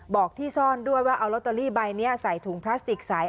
บอกที่ซ่อนด้วยว่าเอาลอตเตอรี่ใบนี้ใส่ถุงพลาสติกสาย